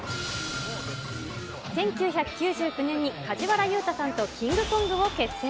１９９９年に梶原雄太さんとキングコングを結成。